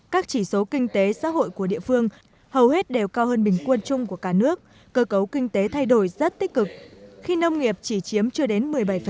các chỉ số kinh tế xã hội của địa phương hầu hết đều cao hơn bình quân chung của cả nước cơ cấu kinh tế thay đổi rất tích cực khi nông nghiệp chỉ chiếm chưa đến một mươi bảy